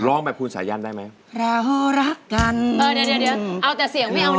ร้องแบบภูมิสายันได้ไหมเรารักกันอยู่กันต้องโทษคนเพราะความจนต่างดินร้อนห้างาน